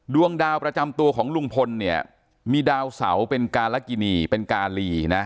ดวงดาวประจำตัวของลุงพลเนี่ยมีดาวเสาเป็นการละกินีเป็นกาลีนะ